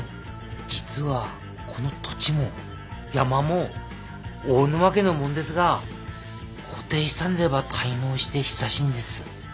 実はこの土地も山も大沼家のもんですが固定資産税ば滞納して久しいんです。